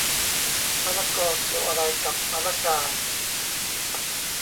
มะละกอ เกี่ยวอะไรกับมะละกา